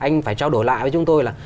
anh phải trao đổi lại với chúng tôi là